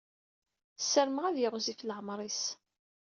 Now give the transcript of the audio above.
Ssarameɣ ad yiɣzif leɛmeṛ-is.